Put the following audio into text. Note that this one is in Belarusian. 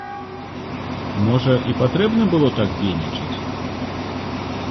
Можа, і патрэбна было так дзейнічаць?